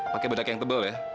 pakai bedak yang tebal ya